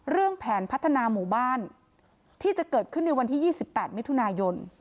เรื่องแผนพัฒนาหมู่บ้านที่จะเกิดขึ้นในวันที่๒๘มิถุนายน